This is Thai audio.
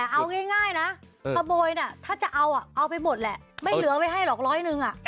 แต่เอาง่ายนะประโบยน่ะถ้าจะเอาเอาไปหมดแหละไม่เหลือไว้ให้หรอก๑๐๐นึงอ่ะ